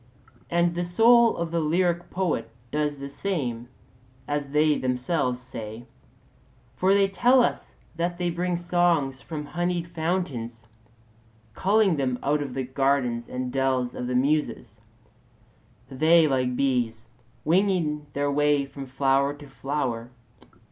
And the soul of the lyric poet does the same, as they themselves say; for they tell us that they bring songs from honeyed fountains, culling them out of the gardens and dells of the Muses; they, like the bees, winging their way from flower to flower.